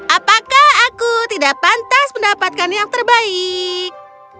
apakah aku tidak pantas mendapatkan yang terbaik